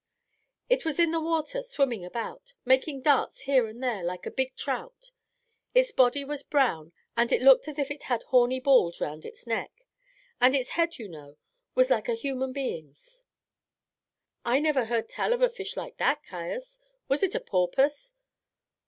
"It was in the water swimming about, making darts here and there like a big trout. Its body was brown, and it looked as if it had horny balls round its neck; and its head, you know, was like a human being's." "I never heard tell of a fish like that, Caius. Was it a porpoise?"